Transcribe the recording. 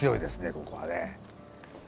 ここはね。